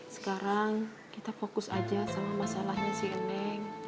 sekarang kita fokus aja sama masalahnya si eneng